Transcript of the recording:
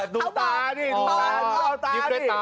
ดูตาดิดูตาดิ